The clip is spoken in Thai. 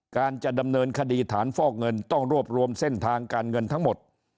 การจะดำเนินคดีฐานฟอกเงินต้องรวบรวมเส้นทางการเงินทั้งหมด